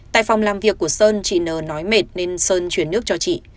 tại phòng làm việc của sơn chị nờ nói mệt nên sơn chuyển nước cho chị